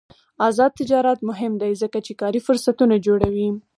آزاد تجارت مهم دی ځکه چې کاري فرصتونه جوړوي.